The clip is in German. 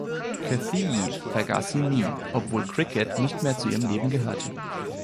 Cathee vergaß sie nie, obwohl Cricket nicht mehr zu ihrem Leben gehörte.